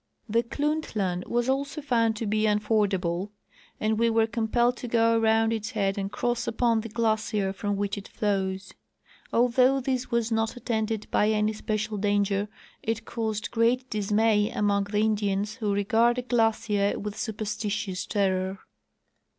The Klutlan was alsO found to be unfordable, and we were compelled to go around its head and cross upon the glacier from which it flows. Although this was not attended by any special danger it caused great dismay among the Indians, who regard a glacier with superstitious terror.